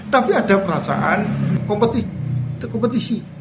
tapi ada perasaan kompetisi